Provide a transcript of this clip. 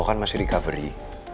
lu kan masih recovery